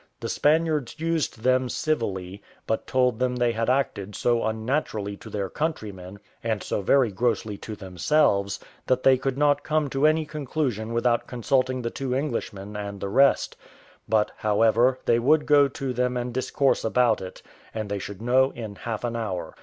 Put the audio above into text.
The Spaniards used them civilly, but told them they had acted so unnaturally to their countrymen, and so very grossly to themselves, that they could not come to any conclusion without consulting the two Englishmen and the rest; but, however, they would go to them and discourse about it, and they should know in half an hour.